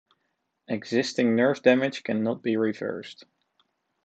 Existing nerve damage cannot be reversed.